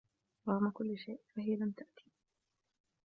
رغم كل شيء فهي لم تأتي.